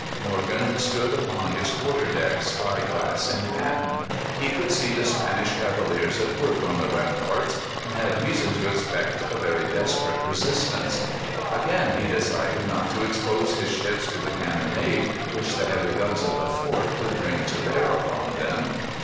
Morgan stood upon his quarter deck, spy glass in hand. He could see the Spanish cavaliers at work on the ramparts, and had reason to expect a very desperate resistance. Again he decided not to expose his ships to the cannonade which the heavy guns of the fort could bring to bear upon them.